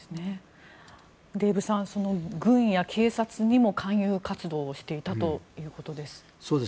デーブさん軍や警察にも勧誘活動をしていたということです。